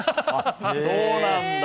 そうなんだ。